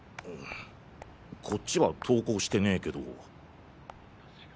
こっちは投稿してねぇけど。